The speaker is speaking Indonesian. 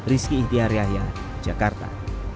rizky ihtiariahya jakarta